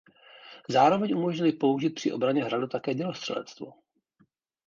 Zároveň umožnily použít při obraně hradu také dělostřelectvo.